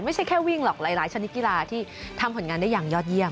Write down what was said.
ไม่ใช่แค่วิ่งหรอกหลายชนิดกีฬาที่ทำผลงานได้อย่างยอดเยี่ยม